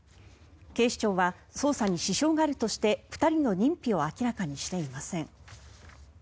警視庁は捜査に支障があるとして２人の認否を明らかにしていません。